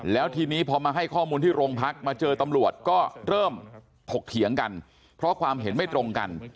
แล้วทีนี้พอมาให้ข้อมูลที่โรงพักมาเจอตำรวจก็เริ่มถกเถียงกันเพราะความเห็นไม่ตรงกัน